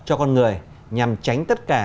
cho con người nhằm tránh tất cả